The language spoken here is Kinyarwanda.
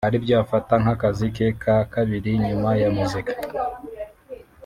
aribyo afata nk’akazi ke ka Kabiri nyuma ya Muzika